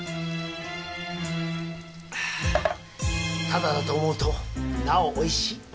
タダだと思うとなおおいしい。